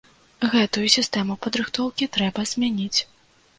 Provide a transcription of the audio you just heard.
Гэтую сістэму падрыхтоўкі трэба змяніць.